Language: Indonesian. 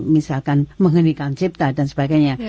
misalkan menghenikan cipta dan sebagainya